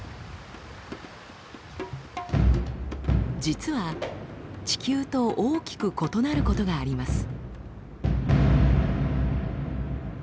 実は地球と大きく異なることがあります。